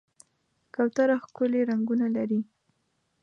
کوتره ښکلي رنګونه لري.